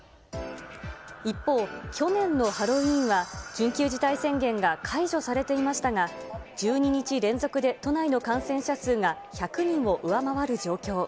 一方、去年のハロウィーンは緊急事態宣言が解除されていましたが、１２日連続で都内の感染者数が１００人を上回る状況。